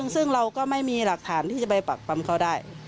ซึ่งเราก็ไม่มีหลักฐานที่จะไปปักปั๊มเขาได้